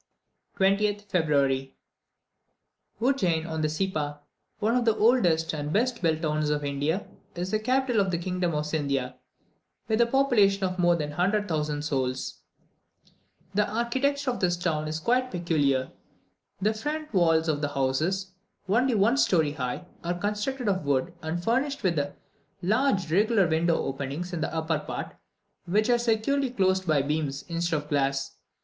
20th February. Udjein on the Seepa, one of the oldest and best built towns of India, is the capital of the kingdom of Sindhia, with a population of more than 100,000 souls. The architecture of this town is quite peculiar: the front walls of the houses, only one story high, are constructed of wood, and furnished with large regular window openings in the upper part, which are securely closed by beams, instead of glass.